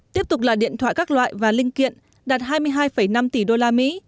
tiếp tục là điện thoại các loại và linh kiện đạt hai mươi hai năm tỷ usd